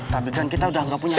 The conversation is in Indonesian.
tapi kan kita udah gak punya